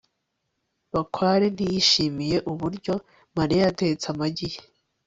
bakware ntiyishimiye uburyo mariya yatetse amagi ye